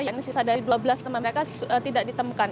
yang disisa dari dua belas teman mereka tidak ditemukan